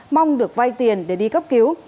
mong được vay tiền để đi cấp cứu